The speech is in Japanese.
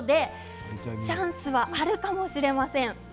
チャンスはあるかもしれません。